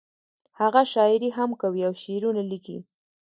هغه شاعري هم کوي او شعرونه لیکي